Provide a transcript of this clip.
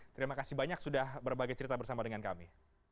terima kasih banyak sudah berbagi cerita bersama dengan kami